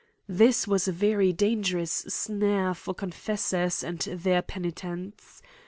This was a very dangerous snare for confessors and their penitents.